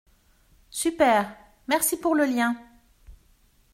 Super, merci pour le lien.